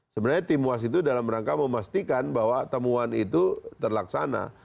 sebenarnya timuas itu dalam rangka memastikan bahwa temuan itu terlaksana